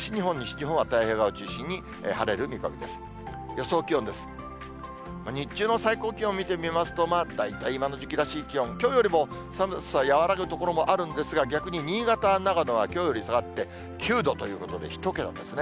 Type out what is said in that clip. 日中の最高気温を見てみますと、まあ、大体今の時期らしい気温、きょうよりも寒さ緩む所もあるんですが、逆に新潟、長野はきょうより下がって９度ということで、１桁ですね。